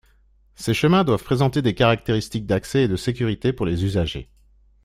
Ces chemins doivent présenter des caractéristiques d’accès et de sécurité pour les usagers.